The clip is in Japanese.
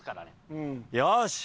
よし！